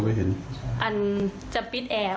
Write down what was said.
ค่ะน่าจะประมาณหลังปีใหม่